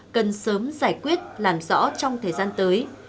cần sớm giải quyết làm rõ trong thời gian tới